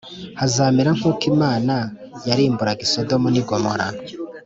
hazamera nk uko imana yarimburaga i sodomu n ‘igomora.